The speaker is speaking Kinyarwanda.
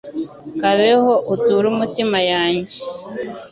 Kabeho uture umutima yanjye